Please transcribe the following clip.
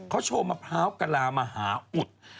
เขาโชว์มะพร้าวกะลามหาอุด